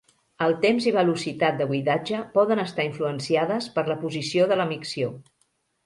El temps i velocitat de buidatge poden estar influenciades per la posició de la micció.